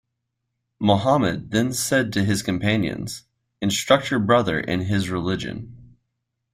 Muhammad then said to his companions, Instruct your brother in his religion.